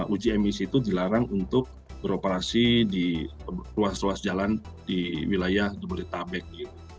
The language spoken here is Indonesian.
uji emisi itu dilarang untuk beroperasi di ruas ruas jalan di wilayah jabodetabek gitu